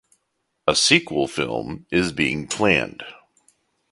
A sequel film is being planned.